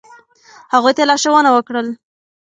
، هغوی ته یی لارښونه وکړه ل